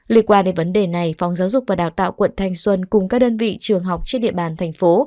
liên quan đến vấn đề này phòng giáo dục và đào tạo quận thanh xuân cùng các đơn vị trường học trên địa bàn thành phố